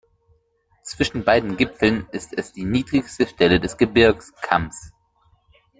Zwischen beiden Gipfeln ist es die niedrigste Stelle des Gebirgskamms.